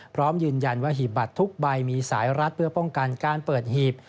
พร้อมยืนยันว่าหีบบัตรทุกใบมีสายรัดเพื่อป้องกันการเปิดหีบ